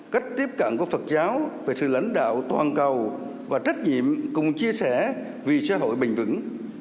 cách tiếp cận của phật giáo về sự lãnh đạo toàn cầu và trách nhiệm cùng chia sẻ vì xã hội bình vững